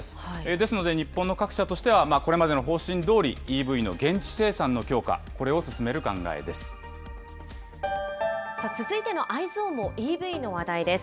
ですので、日本の各社としてはこれまでの方針どおり、ＥＶの現地生産の強化、続いてのＥｙｅｓｏｎもＥＶの話題です。